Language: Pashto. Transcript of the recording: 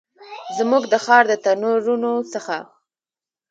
زموږ د ښار د تنورونو څخه